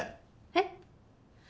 えっ！